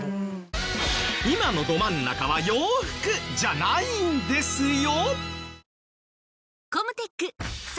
今のど真ん中は洋服じゃないんですよ！